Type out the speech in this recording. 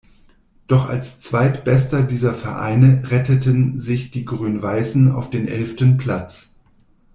Doch als zweitbester dieser Vereine retteten sich die Grün-Weißen auf den elften Platz.